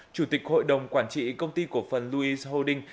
chủ tịch hội đồng quản trị công ty cổ phần louice holding